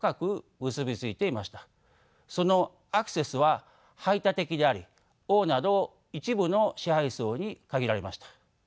そのアクセスは排他的であり王など一部の支配層に限られました。